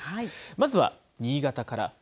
まずは新潟から。